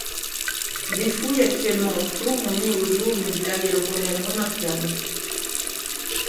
Des fouilles actuellement en cours ont mis au jour une villa gallo-romaine remarquable.